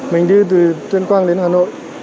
mình đi từ tuyên quang đến hà nội